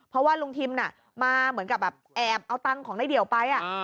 เพราะว่าลุงทิมมาเหมือนกับแบบแอบเอาตังค์ของนายเดี่ยวไป